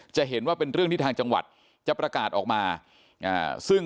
จะเห็นว่าเป็นเรื่องที่ทางจังหวัดจะประกาศออกมาซึ่ง